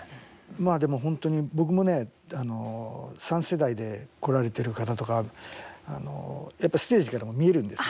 まあ、でも、本当に僕もね三世代で来られてる方とかやっぱりステージからも見えるんですよ。